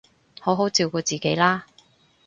好好照顧自己啦